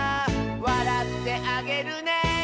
「わらってあげるね」